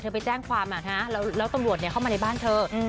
เธอไปแจ้งความอ่ะฮะแล้วแล้วตำรวจเนี่ยเข้ามาในบ้านเธออืม